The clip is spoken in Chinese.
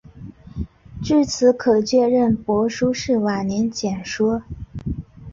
据此可确认帛书是晚于简书。